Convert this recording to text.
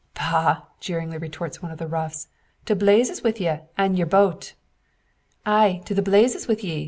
"Bah!" jeeringly retorts one of the roughs. "To blazes wi' you, an' yer boat!" "Ay, to the blazes wi' ye!"